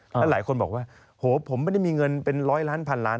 แล้วหลายคนบอกว่าโหผมไม่ได้มีเงินเป็นร้อยล้านพันล้าน